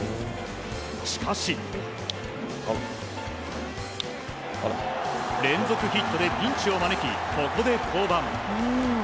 しかし連続ヒットでピンチを招きここで降板。